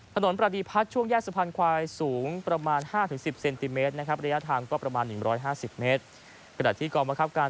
ประดีพัฒน์ช่วงแยกสะพานควายสูงประมาณ๕๑๐เซนติเมตรนะครับระยะทางก็ประมาณ๑๕๐เมตร